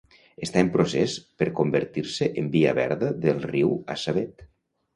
Està en procés per convertir-se en Via Verda del riu Assabet.